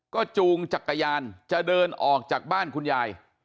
ก็จูงจักรยานจะเดินออกจากบ้านคุณยาย